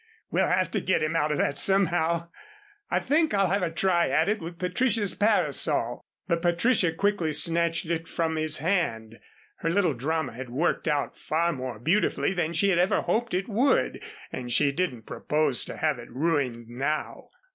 "We'll have to get him out of that somehow. I think I'll have a try at it with Patricia's parasol." But Patricia quickly snatched it from his hand. Her little drama had worked out far more beautifully than she had ever hoped it would, and she didn't propose to have it ruined now.